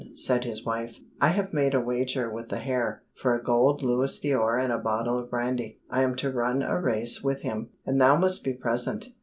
said his wife. "I have made a wager with the hare, for a gold louis d'or and a bottle of brandy. I am to run a race with him, and thou must be present."